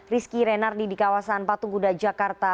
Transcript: rizky renardi di kawasan patungguda jakarta